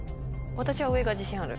私は上が自信ある。